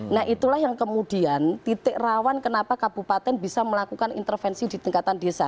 nah itulah yang kemudian titik rawan kenapa kabupaten bisa melakukan intervensi di tingkatan desa